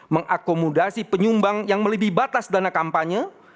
mengakomodasi penyumbang yang melebihi batas dana kampanye